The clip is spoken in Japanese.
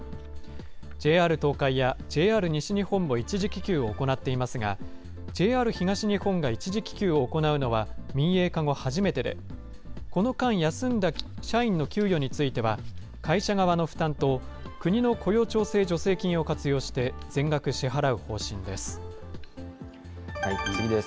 ＪＲ東海やＪＲ西日本も一時帰休を行っていますが、ＪＲ東日本が一時帰休を行うのは、民営化後初めてで、この間、休んだ社員の給与については、会社側の負担と、国の雇用調整助成金を活用して全額支払う方針です。